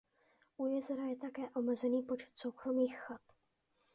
U jezera je také omezený počet soukromých chat.